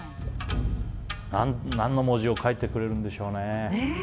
何の文字を書いてくれるんでしょうね。